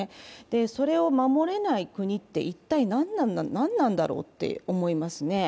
それを守れない国って一体何なんだろうって思いますね。